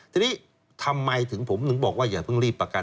ทีนี้ทำไมถึงผมถึงบอกว่าอย่าเพิ่งรีบประกัน